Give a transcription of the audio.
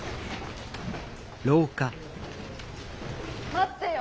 待ってよ。